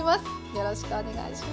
よろしくお願いします。